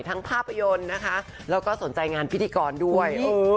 ภาพยนตร์นะคะแล้วก็สนใจงานพิธีกรด้วย